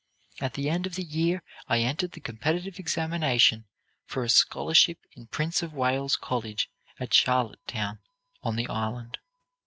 At the end of the year I entered the competitive examination for a scholarship in Prince of Wales College, at Charlottetown, on the Island.